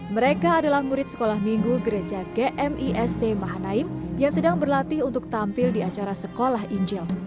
mereka adalah murid sekolah minggu gereja gmist mahanaim yang sedang berlatih untuk tampil di acara sekolah injil